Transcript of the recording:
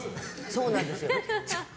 そうなんです。